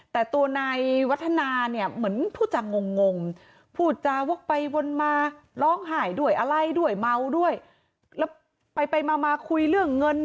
แต่ตัวในวัฒนะผู้จังงง